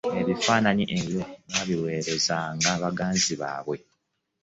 Ebifaananyi ebyo baabiweerezanga baganzi baabwe,.